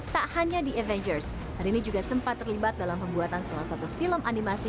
tak hanya the avengers rini juga sempat terlibat dalam pembuatan salah satu film animasi